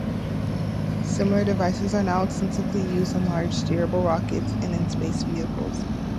Similar devices are now extensively used in large, steerable rockets and in space vehicles.